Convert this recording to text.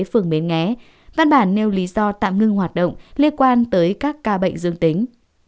phường bến nghé văn bản nêu lý do tạm ngưng hoạt động liên quan tới các ca bệnh dương tính